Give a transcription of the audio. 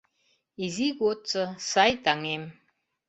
Изи годсо сай таҥем!